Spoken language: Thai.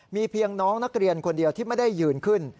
มีเพียงน้องนักเรียนคนเดียวที่ไม่ได้ยืนขึ้น